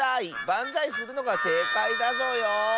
ばんざいするのがせいかいだぞよ。